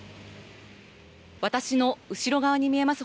私の後ろ側に見えます